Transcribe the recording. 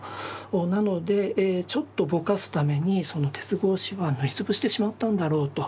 なのでちょっとぼかすためにその鉄格子は塗り潰してしまったんだろうと。